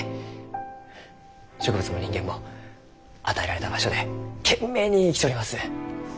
植物も人間も与えられた場所で懸命に生きちょります。